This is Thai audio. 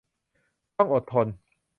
ต้องอดทน